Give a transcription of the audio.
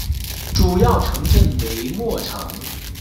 主要城镇为莫城。